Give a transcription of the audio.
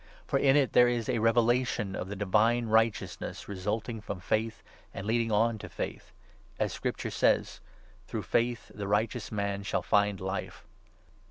For in it there is a revela tion of the Divine Righteousness resulting from faith and leading on to faith ; as Scripture says —' Through faith the righteous man shall find Life.'